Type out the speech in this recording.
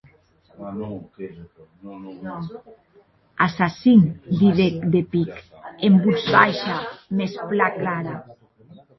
Assassin, didec de pic, en votz baisha mès plan clara.